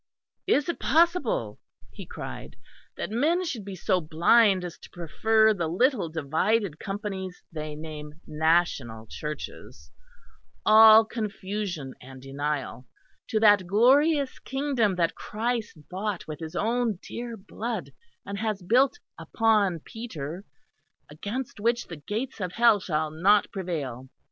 "Is it possible?" he cried, "that men should be so blind as to prefer the little divided companies they name National Churches all confusion and denial to that glorious kingdom that Christ bought with his own dear blood, and has built upon Peter, against which the gates of hell shall not prevail.